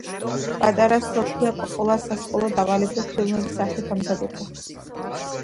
პატარა სოფია კოპოლა სასკოლო დავალებებს ფილმების სახით ამზადებდა.